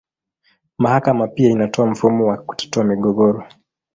Mahakama pia inatoa mfumo wa kutatua migogoro.